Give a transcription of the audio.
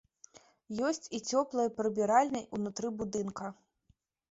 Ёсць і цёплыя прыбіральні ўнутры будынка.